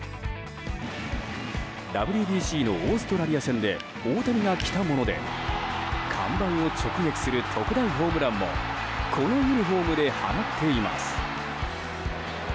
ＷＢＣのオーストラリア戦で大谷が着たもので看板を直撃する特大ホームランもこのユニホームで放っています。